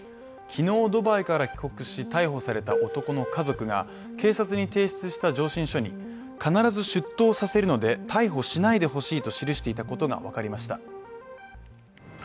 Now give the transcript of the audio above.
昨日ドバイから帰国し、逮捕された男の家族が警察に提出した上申書に必ず出頭させるので、逮捕しないでほしいと記していたことがわかりました。